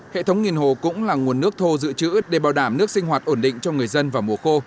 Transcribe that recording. hệ thống nghìn hồ cũng là nguồn nước thô dự trữ để bảo đảm nước sinh hoạt ổn định cho người dân vào mùa khô